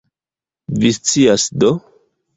Vi scias do?